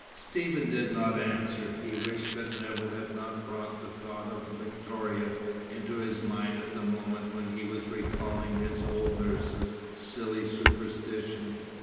Stephen did not answer. He wished that Nevill had not brought the thought of Victoria into his mind at the moment when he was recalling his old nurse's silly superstition.